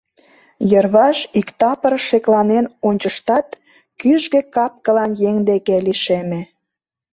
Йырваш иктапыр шекланен ончыштат, кӱжгӧ кап-кылан еҥ деке лишеме.